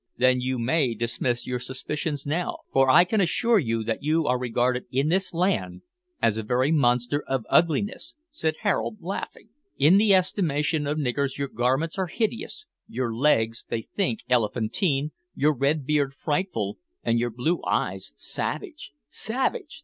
"Then you may dismiss your suspicions now, for I can assure you that you are regarded in this land as a very monster of ugliness," said Harold, laughing. "In the estimation of niggers your garments are hideous; your legs they think elephantine, your red beard frightful, and your blue eyes savage savage!